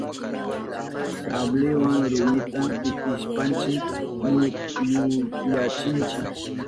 Sabliwa rumita pitishpanchi mutyuyachinchi.